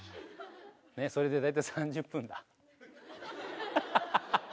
それで大体３０分だアハハ。